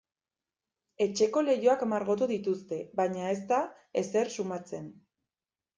Etxeko leihoak margotu dituzte baina ez da ezer sumatzen.